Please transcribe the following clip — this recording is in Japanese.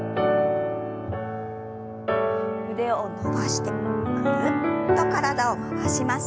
腕を伸ばしてぐるっと体を回します。